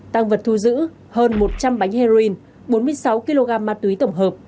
tăng vật thu giữ hơn một trăm linh bánh heroin bốn mươi sáu kg ma túy tổng hợp